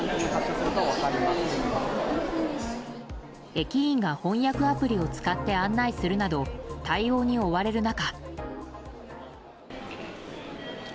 駅員が翻訳アプリを使って案内するなど対応に追われる中。